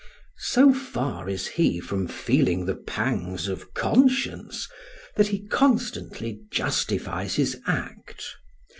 So far is he from feeling the pangs of conscience that he constantly justifies his act.